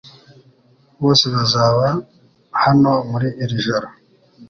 Bose bazaba hano muri iri joro .